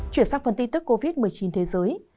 chuyển sang phần tin tức covid một mươi chín thế giới